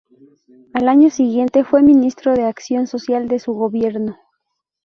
Al año siguiente, fue ministro de acción social de su gobierno.